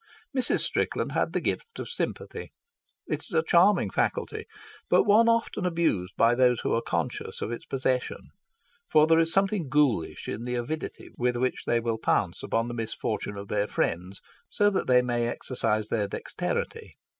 Mrs. Strickland had the gift of sympathy. It is a charming faculty, but one often abused by those who are conscious of its possession: for there is something ghoulish in the avidity with which they will pounce upon the misfortune of their friends so that they may exercise their dexterity.